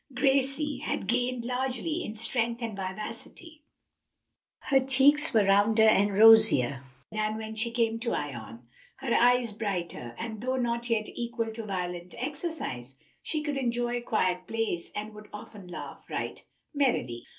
Gracie had gained largely in strength and vivacity, her cheeks were rounder and rosier than when she came to Ion, her eyes brighter; and though not yet equal to violent exercise, she could enjoy quiet plays, and would often laugh right merrily.